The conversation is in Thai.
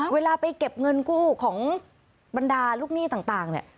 เวลาไปเก็บเงินกู้ของบรรดาลูกหนี้ต่างเนี่ย